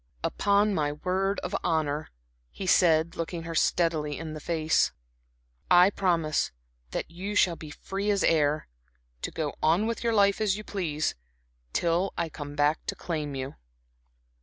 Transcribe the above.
"Upon my word of honor," he said, looking her steadily in the face "I promise that you shall be free as air, to go on with your life as you please, till I come back to claim you."